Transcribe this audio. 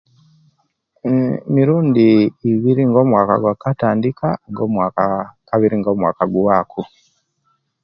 Eee mirundi ibiri nga omwaka gwakatandika nga omwaka kabiri nga omwaka guwaku